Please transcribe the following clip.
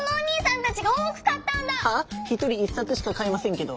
１人１さつしかかえませんけど。